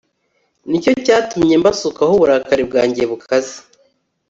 Ni cyo cyatumye mbasukaho uburakari bwanjye bukaze